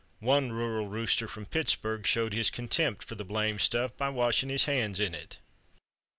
"One rural rooster from Pittsburg showed his contempt for the blamed stuff by washing his hands in it.